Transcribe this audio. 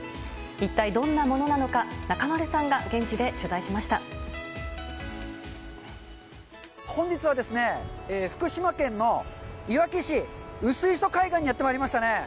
一体どんなものなのか、本日はですね、福島県のいわき市薄磯海岸にやってまいりましたね。